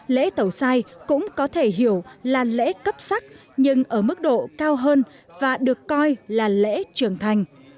lễ tẩu sai cũng có thể hiểu là lễ cấp sắc nhưng ở mức độ cao hơn và được coi là lễ trưởng thành